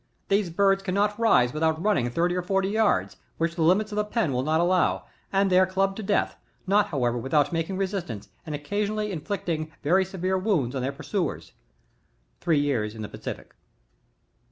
These birds cannot rise without running thirty or forty yards, which the limits of the pen will not allow, and they are clubbed to death, not however, without making resistance, and occasionally inflicting very severe wounds on their pursuers." — Three Years in the Pacific.